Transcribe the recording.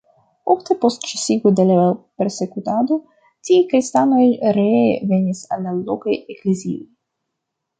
Ofte, post ĉesigo de la persekutado, tiaj kristanoj ree venis al la lokaj eklezioj.